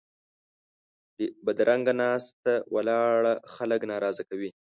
بدرنګه ناسته ولاړه خلک ناراضه کوي